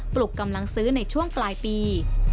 ปลุกกำลังซื้อในช่วงปลายปี